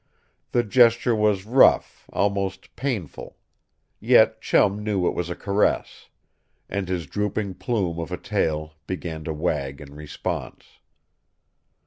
The gesture was rough, almost painful. Yet Chum knew it was a caress. And his drooping plume of a tail began to wag in response.